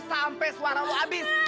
sampai suara lo abis